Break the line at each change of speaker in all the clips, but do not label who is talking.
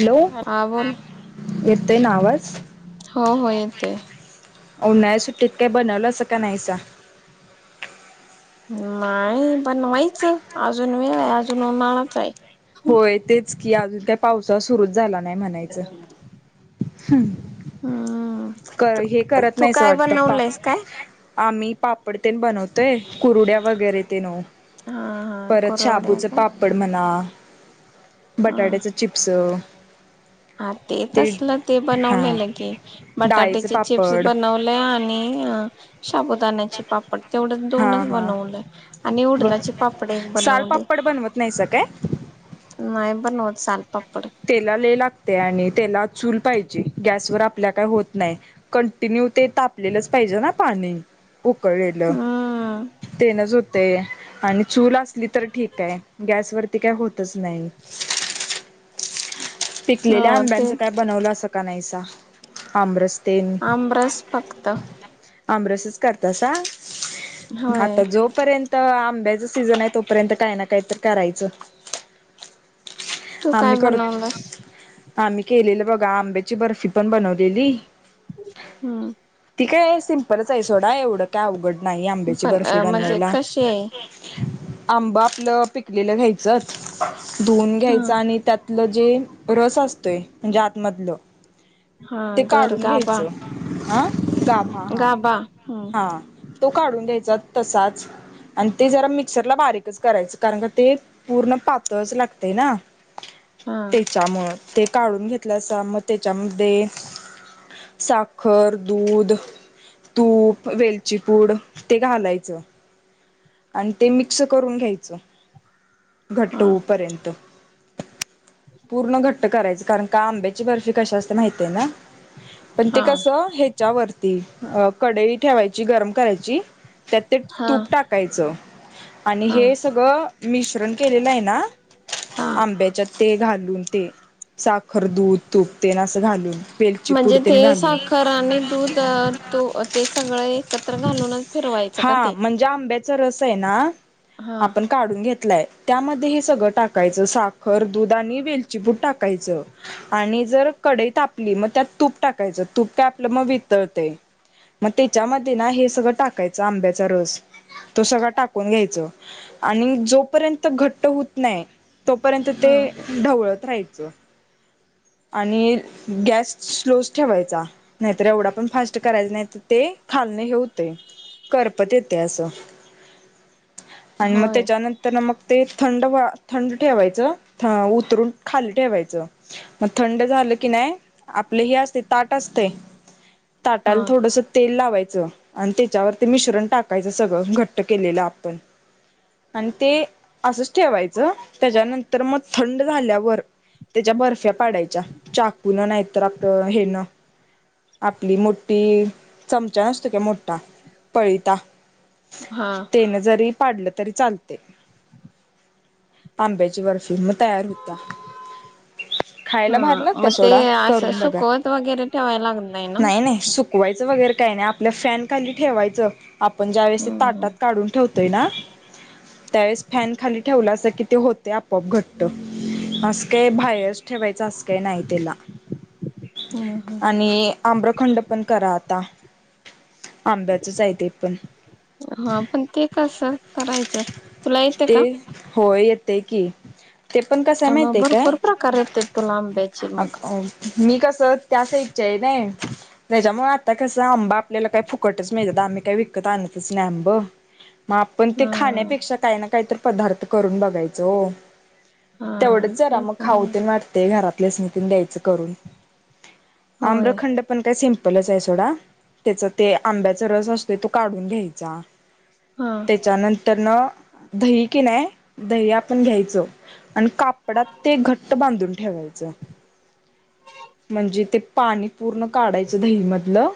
Hello
हा बोल
यत ना आवाज
हो हो येतोय
हो नाही सुट्टत काय बनवलं क नाहीचा
नाही पण व्हायचं अजून वेळ आहे अजून उन्हाळाच आहे
होय तेच कि अजून त्या पावसा सुरुच झाला नाही म्हणायचं
हा
कर हे करत नाहीच वाटतं पा
काय
आम्ही पापडतेन बनवतोय कुरुड्या वगैरे ते न
हा हा
परत
कोरवड्या
शाबूच
का
पापड म्हणा
हा
बटाट्याच चिप्स
हा ते तचलं ते
हा
बनवलेलं की बट
डाळीचं
बटाट्याचे चिप्स
पापड
बनवले आणि शबुदाण्याचे पापड तेवढं
हा
दोनच
हा
बनवले आणि उडदाचे पापड एक बनवले
होत नाही सके
नाही पण होत ल पप्पा
तेला ल ला ते आणि त्याला चूल पाहिजे गॅस वर आपल्या काय होत नाही कंटिन्यू ते तापलेलंच पाहिजे पाणी उकलेलं
हम्म
आणि चूल असली तर ठीक आहे गॅसवररती काही होतच नाही ह
हो
पिकलेल्या
ते
आंब्यांचं काय बनवलं असं का नाहीसा आमरस तेन
आम्रस फक्त
आमरसच करतासा
होय
आता जोपर्यंत आंब्याच सीझन आहे तोपर्यंत काय ना काहीत तर करायचं
तू काय
आम्ही करत
बनवलास
आम्ही केलेलं बघा आंब्याची बर्फी पण बनवलेली
हम्म
ती काय सिम्पच आहेसोडा एवढं काय अवघडं नाही आंब्याची
पण
बर्फी
म्हणजे
बनवायला
कशी आहे?
आंबा आंब पिकलेलं घ्यायचं धुऊून
हा
घ्यायचं आणि लं जे रस असतोय म्हणजे आतमधलं
हा
ते
गर
काढून
गाबा
घ्यायचं हा गाभा हा
गाबा हम्म
हा तो काढून द्यायचा तसाच आणि ते जरा मिक्सरला बारीकच करायचं कारण का ते पूर्ण पातळच लागते ना
हा
त्याच्या मुळे ते काढून घेतलं अस मग त्याच्यामध्ये साखर दूध तूप वेलचीपूड ते घालायचं आणि ते मिक्स करून घ्यायचं घट
हा
होऊ पर्यंत पूर्ण घट्ट करायच कारण का आंब्याची बर्फी कशी असते माहती आहे ना पण ते
हा
कस ह्याच्यावरती अ कडई ठेवायची गरम करायची त्यात ते
हा
तूप टाकायचं आणि
हा
हे सगळं मिश्रण केलेलं आहे ना
हा
आंब्याच्या ते घाल ते साखर दूध तूपते ना अस घालून वेलची पूड
म्हणजे
तेन
ते
घालून
साखर आणि दूध ते सगळं एकत्र घालूनच फिरवा कयचं का ते
ज्या आंब्याचा रस आहे ना
हा
आपण काढून घ त्यामध्ये हे सगळं टाकायच साखर दूध आणि वेलचीपूड टाकायच आणि जर कढईत आपली मग त्यात तूप टाकायच तूप काय आपलं मग वितरते मग त्याच्यामध्ये ना हे सगळं टाकायचं आंब्याचा रस तो सगळं टाकून घ्यायच आणि जोपर्यंत घट्ट होत नाही तोपर्यंत
हा
ते ढवळत राहायचं आणि गॅस स्लोच ठेवायचा नाहीतर एवढा पण फास्ट करायच नाही तर ते खाल्णे हेते करपत येते असं आणि मग
होय
तेच्यानंतर न मग ते थंड थंड ठेवायच उतरून खाली ठेवायच मग थंड झा की नाही आपले ह असते ताट असते
हा
ताटाला थोडस तेल लावायचं आणि त्याच्यावरती मिश्रण टाकायचं सगळं घट्ट केलेलं आपण आणि ते असंच ठेवायचं त्याच्यानंतर मग थंड झाल्यावर त्याच्या बर्फ्या पाडायच्या चाकुून नाहीतर आप हेन आपली मोठी ती चमच्या नुसतके मोडटा पळता
हा
पाडलं तरी चालतय आंब्याची बर्फी मग तयार होत्या
हा
खायला भारी लागत्या
मग ते
सोडा
असं
करून बघा
सुकवत वगैरे ठेवायला लागत ना?
नाही नाही सुकवायचं वगैरे काही नाही फॅन खाली ठेवायचं आपण ज्या वेळेस
हम्म
ताटात काढून ठेवतय ना त्यावेळेस फॅन खाली ठेवला अस कि ते होत ते आपोआप घटत अस काय बाहेरच ठेवायचं अस काय नाही त्याला
हम्म हम्म
आणि आम्रखंड पण करा आंब्याचच आहे ते पण
हा पण ते कस करायचं तुला येते
ते
का
होय येतय की ते पण कस
मग
माहतीय काय
भरपूर प्रकार येते तुला आंब्याची
अ
मग
मी कस त्या साइच्या आहे ना त्याच्यामुळे आता कसं आंबा आपल्याला काय फुकटच माळत आम्ही काय विकत आण ॅब मग आपण ते
हा
खाण्यापेक्षा काही ना काही तर पदार्थ करून बघायचो
हा
तेवढंच जरा
ते
मग
पण आहे
खाऊते मारते घरातलेच नि तन द्यायचं करून
होय
आम्रखंड पण काय सिमप लचय सोडा त्याचा ते आंब्याचा रस असतोय तो काढून घ्यायचा
हा
त्याच्यानंतर न दही की नाही दही आपण घ्यायचं आणि कापडात ते घट्ट बांधून ठेवायच म्हणजे ते पाणी पूर्ण काढायचं दही मधलं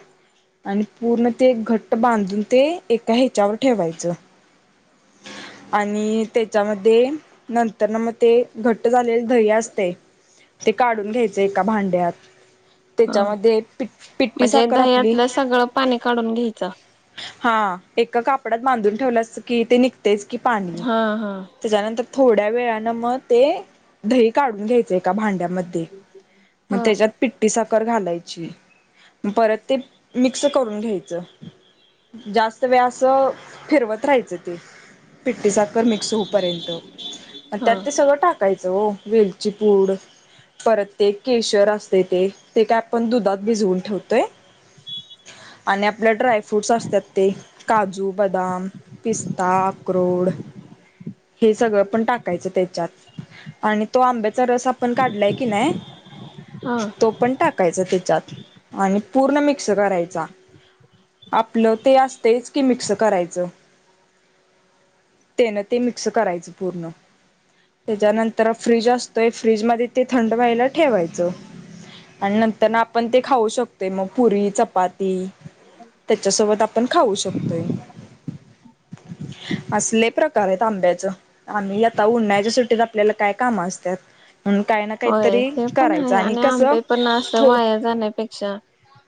आणि पूर्ण ते घट्ट बांधून ते एका ह्याच्यावर ठेवायचं ह आणि त्याच्यामध्ये नंतर ना मग ते घट्ट झालेले दही असते. ते काढून घ्यायचें एका भांड्यात.
हा
त्याच्यामध्ये पि पिट्टी
म्हणजे
साखर आपली.
दह्यातलं सगळं पाणी काढून घ्यायचं
हा एक, कापडात बांधून ठेवलं अस की ते निघतेस की पाणी
हा हा
त्याच्यानंतर. थोड्या वेळनें मग ते दही काढून घ्यायचेय का भांड, मध्ये मग मग
हा
त्याच्यात पिठीसाखर, घालायची परत ते मिक्स करून घ्याच जात. तर म असं फिरवत राहायचं ते पिट्टीस, मिक्स होऊ, पर्यंत
हा
त्यात ते सगळं टाकायचं हो वेलची पूड परत ते केशर असते, ते ते काय आपण दुधात भिजवून ठेवतोय. आणि आपल्या ड्राय फ्रूट्स असतात ते, काजू बदाम पिस्ता अक्रोड हे सगळं पण टाकायचं त्याच्यात आणि तो आंब्या रस आपण काढलाय की नाही,
हा
तो पण टाकायचा त्याच्यात आणि पूर्ण मिक्स करायचा आपलं ते अस, च की मिक्स करायचं. तेनं ते मिक्स करायचं पूर्ण. त्याच्यानंतर फ्रीज असतोय फ्रीज मध्ये ते थंड व्हायला ठेवायचं. आणि नंतर ना आपण ते खाऊ शकतोय मग पुरी चपाती, त्याच्यासोबत आपण खाऊ शकतोय. [unintelligible] असले प्रकार आहेत आंब्याचं, आम्ही आता उन्हा्याच्या सुटीत आपल्याला काय काम असतात. म्हणून काही ना
होय
काहीतरी
ते पण
करायचं
आहे, आणि
कसं
आंबे पण असं
थो
वायार जाण्यापेक्षा,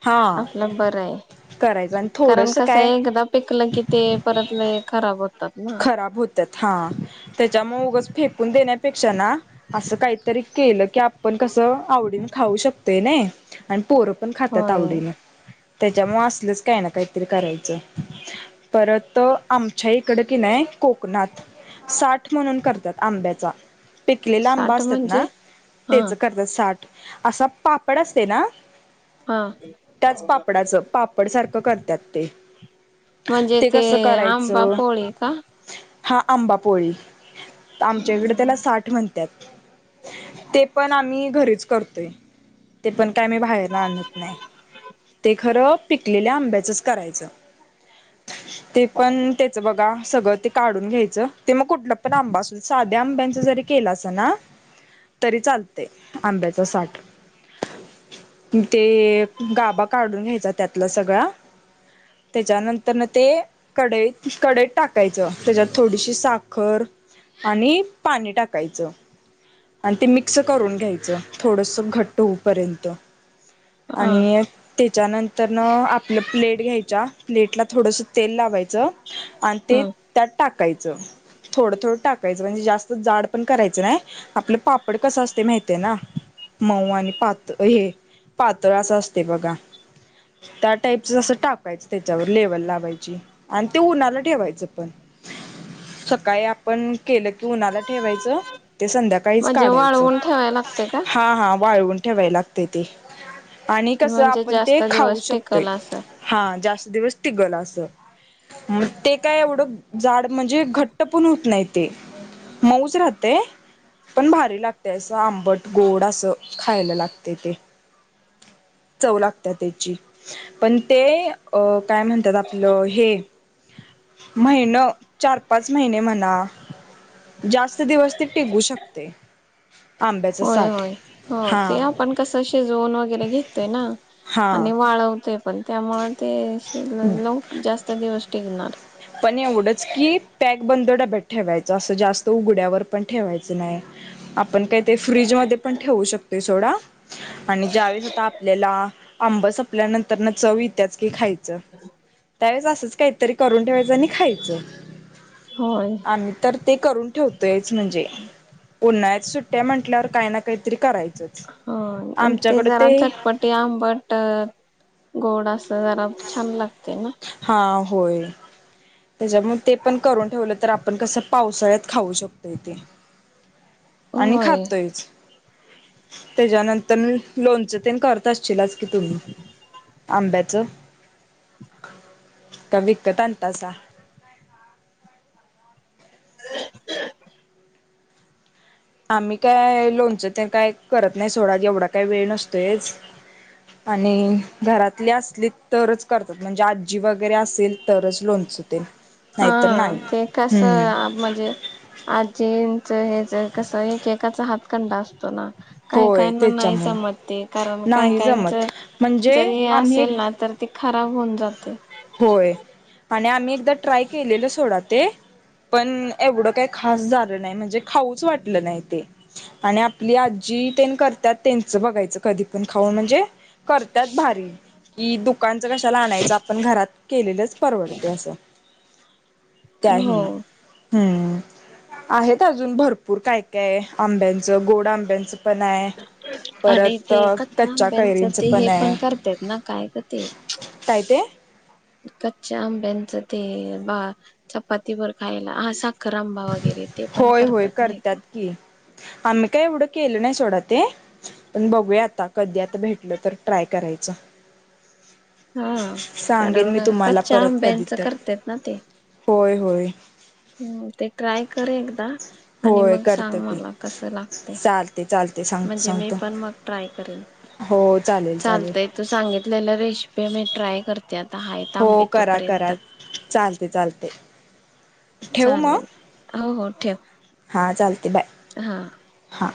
हा
आपलं बरं आहे.
करायचं आणि
कारण
थोडस
कस
काय
एकदा पिकलं की ते परत खराब होत.
खराब होतात, हा त्याच्या मगच फेकून देण्या पेक्षा अस काहीतरी केलं की आपण कस आवडीन खाऊ शकते ना आणि, पोरं पण खातात
होय
आवडीने. त्याच्यामुळे असलच काही ना, काहीतरी करायचं परत आमच्या इकड कि नाही कोकणात साठ म्हणून करतात आंब्याचा, पिकलेला आंबा
साठ
असतात
म्हणजे
ना,
हा
त्याच करतात साठ असा पापड असते ना,
हा
त्याच पापडाचं पापड सारखं करतात ते,
म्हणजे ते
कसं
आंबा
करायचं
पोळी का
हा आंबा पोळी आमच्याकडे त्याला साठ म्हणतात. ते पण आम्ही घरीच करतोय ते पण काय आम्ही बाहेरला आणत नाही. ते खरं पिकलेल्या आंब्याचच करायचं ते पण, बघा सगळं ते काढून घ्यायचं, ते मग कुठलं पण आंबा असध साध्या आंब्यांच जरी केलं असं ना तरी चालतय आंब्याचा साठ, ते गाबा काढून घ्यायचा, त्यातला सगळा. त्याच्यानंतर ते काढई, कडईत टाकायचं त्याच्यात थोडीशी साखर आणि पाणी टाकायचं आणि, ते मिक्स करून घ्यायचं. थोडस घट्ट होऊ पर्यंत
हा
आणि ते, त्याच्यानंतरन आपलं प्लेट घ्यायच्या प्लेटला थोडस तेल लावायचं. आणि ते
हम्म
त्यात टाकायचं, थोडं थोडं टाकायचं म्हणजे जास्त जाड पण करायचं नाही. आपलं पापड कसं असते माहतीय ना! मऊ आणि पात हे पातळ असं असतय बघा. त्या टाईपच असं टाकायच त्याच्यावर लेवल लावायची आणि ते उन्हाला ठेवायचं पण सकाळी आपण केलं की उन्हाला ठेवायचं. ते संध्याकाळीच
म्हणजे
काढायचं
वाळवून ठेवाय लागते का
हा हा वाळवून ठेवाय लागतय, ते आणि कस
म्हणजे
आपण ते
जास्त
खाऊ
दिवस
शकतोय
टिकल असं
हा जास् दिवस टिगल अस मग ते काय एवढं जाड म्हणजे घट्ट पण होत नाहीत. ते मऊच राहतय पण भारी लागतय असं आंबट गोड असं खायला लागतय ते चव लागत्या त्याची पण ते अ काय म्हणतात आपलं हे महिन चार पाच महिने म्हणा जास्त दिवस ते टिगु शकतेय.
होय होय हो ते आपण कसं शिजवून वगैरे घेतोय ना
हा
आणि वाळवते पण त्यामुळे ते शिज लव जास्त दिवस टिकणार.
पण एवढंच की पॅक बंद डब्यात ठेवायचं असं जास्त उघड्यावर पण ठेवायचं नाय. आपण काय ते फ्रीज मध्ये पण ठेवू शकतोय सोडा आणि ज्यावेेळेस आता आपल्याला आंब सपल्यानंतर नंतर ना चव इत्याच की खाय चं त्यावेळेस असंच काहीतरी करून ठेवायचं आणि खायचं.
होय
आम्ही तर ते करून ठेवतोयच म्हणजे उन्हाळ्यात सुट्ट्या म्हंटल्यावर काय ना कायतरी करायचंच.
हो ते जरा चटपटी आंबट गो जरा छान लागतय ना?
हा होय. त्याच्यामुळे ते पण करून ठेवलं तर आपण कसं पावसाळ्यात खाऊ शकतोय तेे आणि
होय
खातोयच. त्याच्यानंतर लोनच तेन करत असशीलाच की तुम्ही अंब्याचं का विकत आणतासा?
[inaudible]
आम्ही काय लोनचं ते काय करत नाय सोडा एवढा काय वेळ नसतोयच. आणि घरात आपली असली तरच करतात म्हणजे आजी वगैरे असेल तरच लोणच
हा ते कस म्हणजे आजीन ते हेज कसंय की एकेकाचा हातकंडा असतो ना. काही
होय
काहीना नाही
त्याच्यामुळं
जमत ते कारण काही
नाही
काहीच
जमत म्हणजे
जरी
आम्ही
असेल
एक
ना तर ते खराब होऊन जाते.
होय. आणि आम्ही एकदा ट्राय केलेलं सोडा ते पण एवढं काही खास झालं नाही. म्हणजे खाऊच वाटलं नाय ते आणि आपली आजी तेन करत्यात त्यांचं बघायचं कधी पण खाऊन म्हणजे करत्यात भारी की, दुकानच कशाला आणायचं आप पण घरात केलेलंच परवडतय असं. त्या
हो.
हेन हम्म आहेत अजून भरपूर काय काय आंब्यांचं गोड आंब्यांचं पण आहे.
आणि
परत
ते
कच्च्या
आंब्यांचं ते
कैरींचं
हे
पण आय.
करतात ना काय ग ते
काय ते?
कच्च्या आंब्यांचं ते बा चपातीवर खायला हा साख खरआंबा वगैरे ते पण
होय होय
करतात नाही का.
की आम्ही काय एवढं केलं नाय सोडा ते पण बघूया आता कधी आता भेटलं तर ट्राय करायचं.
हा
[unintelligible] सांगेन
कारण
मी तुम्हाला
कच्च्या
परत कधी
आंब्यांच
तर
करतेत
होय. होय.
हम् ते ट्राय कर एकदा. आणि
होय
मग सांग
करतो की
मला कस लागतय,
चालते चालते सांग
म्हणजे मी
सांगतो
पण मग ट्राय करेन.
हो चालेल चालेल
चालतंय तू सांगितलेला रेसिपी मी ट्राय करते. हाय
हो
आंबे
करा करा
तोपर्यंत
चालते चालते.
चालेल हो हो ठेव.
हा चालते बाय.
हा.
हां.